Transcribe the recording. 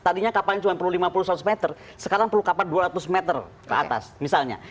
tadinya kapalnya cuma perlu lima puluh seratus meter sekarang perlu kapal dua ratus meter ke atas misalnya